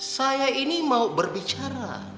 saya ini mau berbicara